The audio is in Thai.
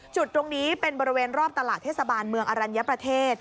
จุดตรงนี้เป็นบริเวณรอบตลาดเทศบาลเมืองอรัญญประเทศ